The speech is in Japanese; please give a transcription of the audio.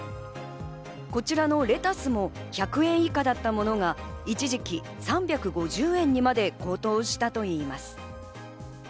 こちらのレタスも１００円以下だったものが一時期３５０円にまで高騰したといいます。